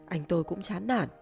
anh tôi cũng chán nản